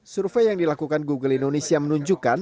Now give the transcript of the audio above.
survei yang dilakukan google indonesia menunjukkan